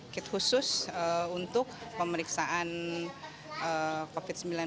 kit khusus untuk pemeriksaan covid sembilan belas ini ada memang